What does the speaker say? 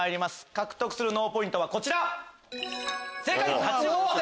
獲得する脳ポイントはこちら。